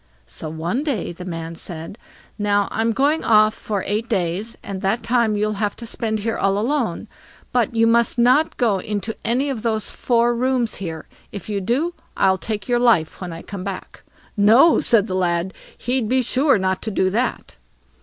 So one day the man said: "Now, I'm going off for eight days, and that time you'll have to spend here all alone; but you must not go into any one of these four rooms here. If you do, I'll take your life when I come back." "No", said the lad, he'd be sure not to do that.